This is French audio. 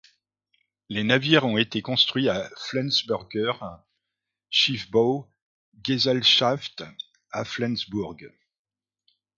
Les navires ont été construits à Flensburger Schiffbau-Gesellschaft à Flensburg.